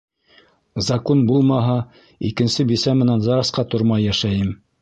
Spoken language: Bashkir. Закун булмаһа, икенсе бисә менән ЗАГС-ҡа тормай йәшәйем.